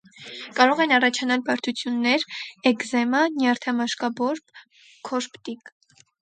Կարող են առաջանալ բարդություններ՝ էկզեմա, նյարդամաշկաբորբ, քորպտիկ։